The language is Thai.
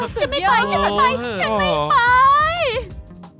ฉันไม่ไปฉันไม่ไปฉันไม่ไป